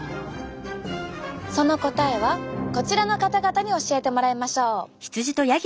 その答えはこちらの方々に教えてもらいましょう。